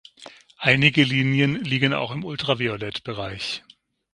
Einige Linien liegen auch im Ultraviolett-Bereich.